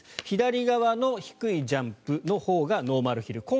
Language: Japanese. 左側の低いジャンプのほうがノーマルヒル。